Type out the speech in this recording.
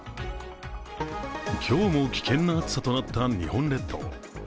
今日も危険な暑さとなった日本列島。